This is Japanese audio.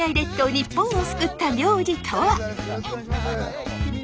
日本を救った名字とは？